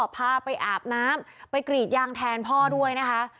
พาไปอาบน้ำไปกรีดยางแทนพ่อด้วยนะคะ